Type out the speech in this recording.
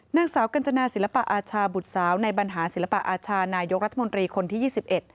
นางสาวกัญจนาศิลปะอาชาบุตรสาวในบัญหาศิลปะอาชานายกรัฐมนตรีคนที่๒๑